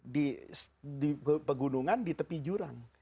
di pegunungan di tepi jurang